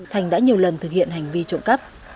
thành đã nhiều lần thực hiện hành vi trộm cắp